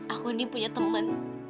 aku ini punya temen